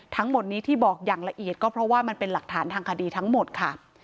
ทั้งหมดนี้ที่บอกอย่างละเอียดก็เพราะว่ามันเป็นหลักฐานทางคดีทั้งหมดค่ะ